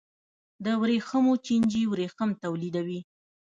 د ورېښمو چینجی ورېښم تولیدوي